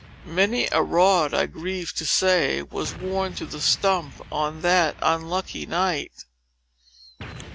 Many a rod I grieve to say, was worn to the stump, on that unlucky night.